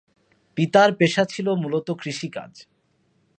পিতার পেশা ছিল মূলত কৃষিকাজ।